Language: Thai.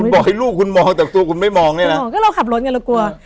บอกให้ลูกคุณมองแต่ตัวคุณไม่มองเนี่ยนะอ๋อก็เราขับรถไงเรากลัว